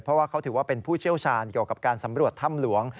เพราะว่าเขาถือว่าเป็นผู้เชี่ยวชาญเกี่ยวกับการสำรวจถ้ำหลวง